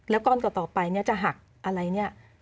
แล้วก้อนต่อไปเนี่ยจะหักอะไรเนี่ย